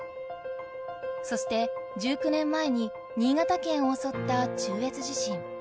そして１９年前に新潟県を襲った中越地震。